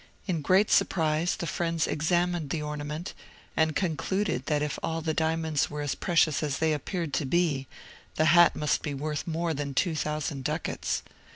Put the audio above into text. In great surprise, the friends examined the ornament, and concluded that if all the diamonds were as precious as they appeared to be, the hat must be worth more than two thousand ducats.